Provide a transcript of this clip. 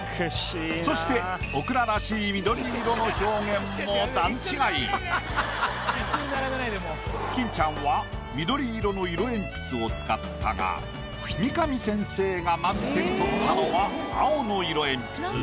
そしてオクラらしい金ちゃんは緑色の色鉛筆を使ったが三上先生がまず手に取ったのは青の色鉛筆。